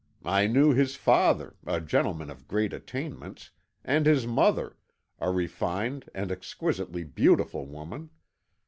I knew his father, a gentleman of great attainments, and his mother, a refined and exquisitely beautiful woman.